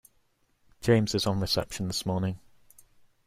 James is on reception this morning